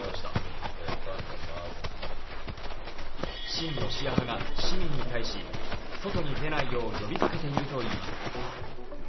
親ロシア派が市民に対し、外に出ないよう呼びかけているといいます。